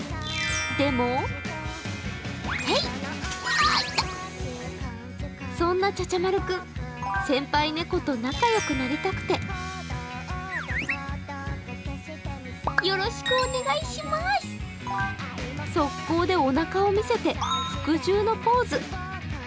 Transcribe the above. でもそんな茶々丸君先輩猫と仲良くなりたくて速攻でおなかを見せて服従のポーズ。